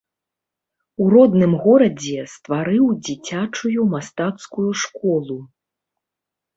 У родным горадзе стварыў дзіцячую мастацкую школу.